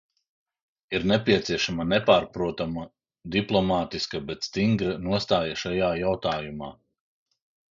Ir nepieciešama nepārprotama diplomātiska, bet stingra nostāja šajā jautājumā.